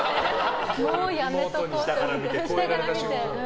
もうやめとこうと思って下から見て。